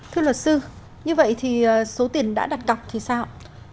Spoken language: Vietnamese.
thưa luật sư như vậy thì số tiền đã đặt cọc thì sao ạ